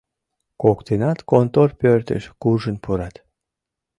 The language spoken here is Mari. Коктынат контор пӧртыш куржын пурат.